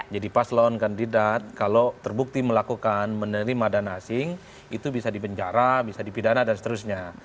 jadi paslon kandidat kalau terbukti melakukan menerima dana asing itu bisa dipenjara bisa dipidana dan seterusnya